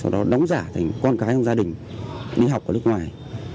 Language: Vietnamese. sau đó đóng giả thành con cái trong gia đình đi học ở nước ngoài